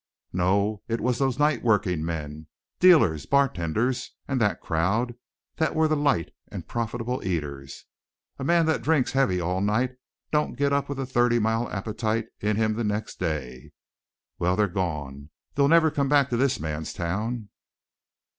"No, it was those night working men, dealers, bartenders, and that crowd, that were the light and profitable eaters. A man that drinks heavy all night don't get up with a thirty mile appetite in him next day. Well, they're gone; they'll never come back to this man's town."